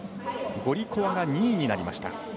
ゴリコワが２位になりました。